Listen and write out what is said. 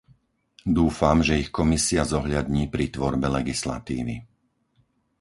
Dúfam, že ich Komisia zohľadní pri tvorbe legislatívy.